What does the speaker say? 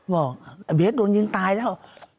บอกเบียดโดนยิงตายแล้ว